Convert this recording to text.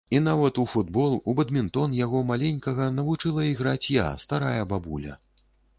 І нават у футбол, у бадмінтон яго маленькага навучыла іграць я, старая бабуля.